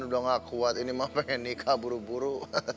udah enggak kuat ini mas pengen nikah buru buru